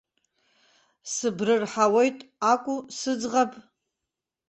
Сыбрырҳауеит акәу, сыӡӷаб.